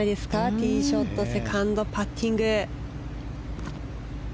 ティーショットセカンド、パッティング。